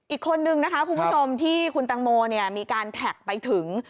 อีกคนนึงนะคะคุณผู้ชมที่คุณตังโมมีการแท็กไปถึง